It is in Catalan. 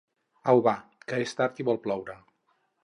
Au va, que és tard i vol ploure!